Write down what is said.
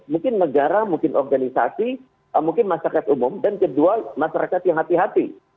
mungkin negara mungkin organisasi mungkin masyarakat umum dan kedua masyarakat yang hati hati